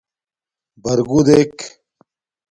بَرگُݸ دݵک.